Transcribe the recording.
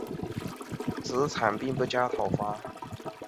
子产并不加讨伐。